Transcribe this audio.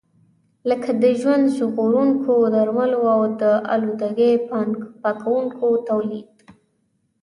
لکه د ژوند ژغورونکو درملو او د آلودګۍ پاکونکو تولید.